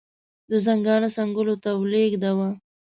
د ژوندانه څنګلو ته ولېږداوه.